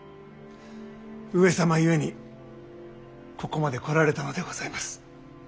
上様ゆえにここまで来られたのでございます。